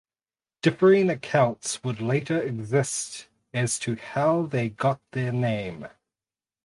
Differing accounts would later exist as to how they got their name.